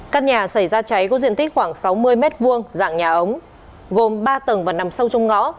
căn nhà xảy ra cháy có diện tích khoảng sáu mươi m hai dạng nhà ống gồm ba tầng và nằm sâu trong ngõ